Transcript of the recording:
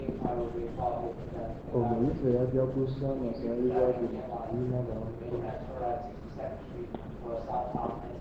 Omuyizi eyajaguza amazaalibwa ge mu kibiina baamutomedde.